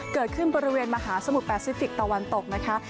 เกิดขึ้นบริเวณมหาสมุทรแปซิฟิกตะวันตกนะคะ